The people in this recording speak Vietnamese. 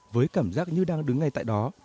với cảm giác như đang đứng ngay tại đó